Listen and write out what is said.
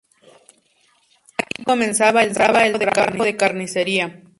Aquí comenzaba el trabajo de carnicería.